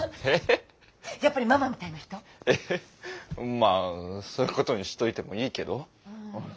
まぁそういうことにしといてもいいけど。え？